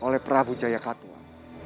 oleh prabu jayakatua